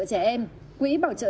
trẻ em quỹ bảo trợ